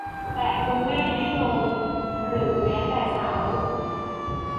แต่คุณแม่ให้นมหรือแม้แต่สาว